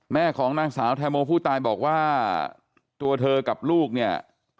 แม่ของนางสาวแทโมผู้ตายบอกว่าตัวเธอกับลูกเนี่ย